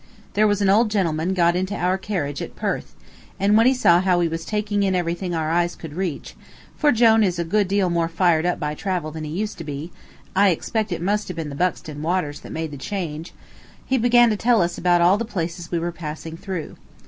There was an old gentleman got into our carriage at Perth, and when he saw how we was taking in everything our eyes could reach, for Jone is a good deal more fired up by travel than he used to be I expect it must have been the Buxton waters that made the change he began to tell us all about the places we were passing through.